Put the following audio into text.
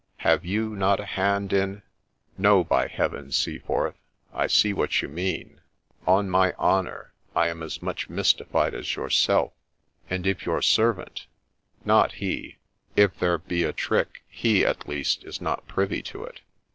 have you not a hand in '* No, by heaven, Seaforth ; I see what you mean : on my honour, I am as much mystified as yourself ; and if your servant '' Not he :— if there be a trick, he at least is not privy to it.'